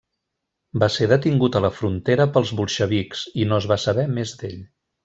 Va ser detingut a la frontera pels bolxevics, i no es va saber més d'ell.